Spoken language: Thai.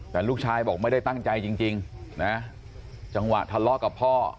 แต่ลูกชายบอกไม่ได้ตั้งใจจริงนะจังหวะทะเลาะกับพ่อ